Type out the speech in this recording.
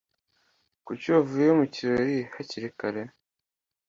Kuki wavuye mu kirori hakiri kare?